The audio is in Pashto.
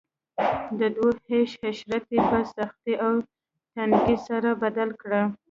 د دوی عيش عشرت ئي په سختۍ او تنګۍ سره بدل کړ